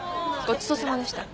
ごちそうさまでした。